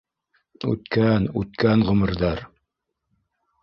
Үткән, үткән ғүмерҙәр!..